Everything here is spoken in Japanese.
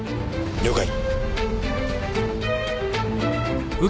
了解。